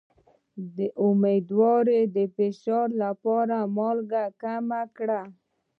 د امیدوارۍ د فشار لپاره مالګه کمه کړئ